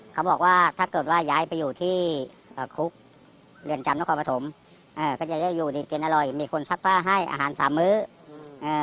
เขาบอกว่าถ้าเกิดว่าย้ายไปอยู่ที่คุกเรือนจำนมก็จะอยู่ดีกินอร่อยมีคนชักผ้าให้อาหารสามมือ